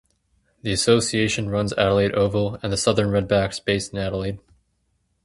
The association runs Adelaide Oval and the Southern Redbacks based in Adelaide.